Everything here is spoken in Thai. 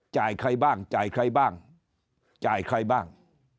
ใครบ้างจ่ายใครบ้างจ่ายใครบ้าง